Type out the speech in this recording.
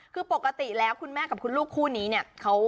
คือปกติแล้วคุณแม่กับคุณลูกคู่นี้เนี่ย